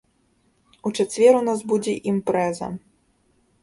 У чацвер у нас будзе імпрэза.